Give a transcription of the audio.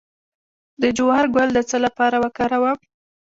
د جوار ګل د څه لپاره وکاروم؟